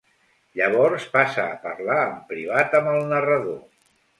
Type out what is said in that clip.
Llavors passa a parlar en privat amb el narrador.